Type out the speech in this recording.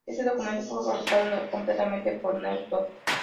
Ese documento fue fabricado completamente por Newton.